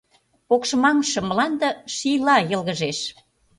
Покшымаҥше мланде шийла йылгыжеш.